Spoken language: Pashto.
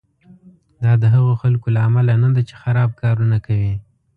دا د هغو خلکو له امله نه ده چې خراب کارونه کوي.